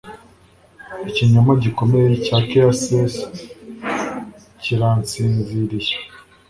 Ikinyoma gikomeye cya caresses kiransinziriye